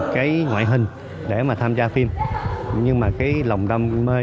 cũng như vậy đó